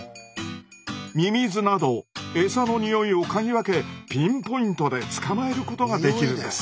ミミズなどエサのにおいを嗅ぎ分けピンポイントで捕まえることができるんです。